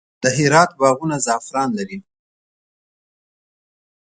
د هرات باغونه زعفران لري.